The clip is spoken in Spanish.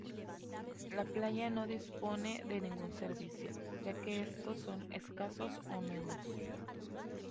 La playa no dispone de ningún servicio ya que estos son escasos o nulos.